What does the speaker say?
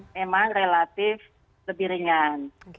memang relatif lebih ringan